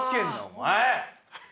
お前！